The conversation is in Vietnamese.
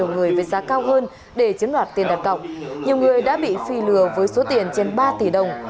nhiều người đã bị phi lừa với số tiền trên ba tỷ đồng